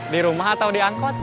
di rumah atau di angkot